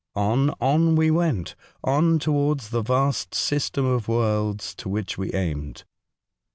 On, on we went ; on towards the vast system of worlds to which we aimed.